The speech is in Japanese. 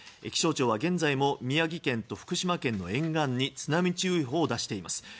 気象庁は現在も宮城県と福島県の沿岸に津波注意報を出しています。